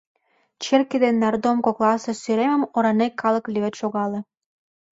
Черке ден нардом кокласе сӧремым оранек калык левед шогале.